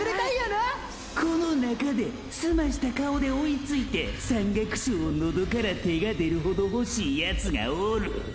この中ですました顔で追いついて山岳賞をノドから手が出るほど欲しいヤツがおる！！